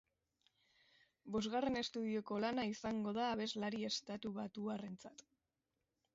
Bosgarren estudioko lana izango da abeslati estatubatuarrentzat.